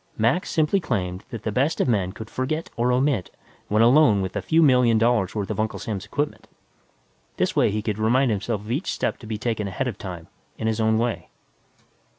Mac simply claimed that the best of men could forget or omit when alone with a few million dollars' worth of Uncle's equipment. This way he could remind himself of each step to be taken ahead of time, in his own way.